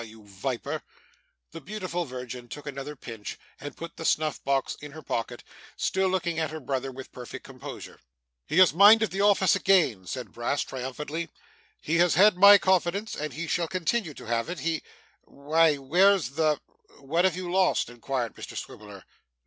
Ugh, you viper!' The beautiful virgin took another pinch, and put the snuff box in her pocket; still looking at her brother with perfect composure. 'He has minded the office again,' said Brass triumphantly; 'he has had my confidence, and he shall continue to have it; he why, where's the ' 'What have you lost?' inquired Mr Swiveller.